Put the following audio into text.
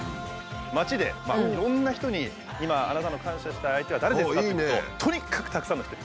街でいろんな人に今あなたの感謝したい相手は誰ですか？ととにかくたくさんの人に。